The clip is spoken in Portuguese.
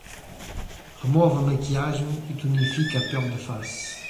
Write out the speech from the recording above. Remove a maquiagem e tonifica a pele da face